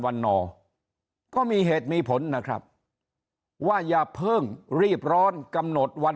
วันนอร์ก็มีเหตุมีผลนะครับว่าอย่าเพิ่งรีบร้อนกำหนดวัน